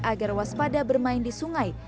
agar waspada bermain di sungai